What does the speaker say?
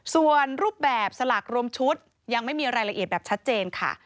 ส่วนรูปแบบสลากรวมชุดยังไม่มีรายละเอียดแบบชัดเจนค่ะ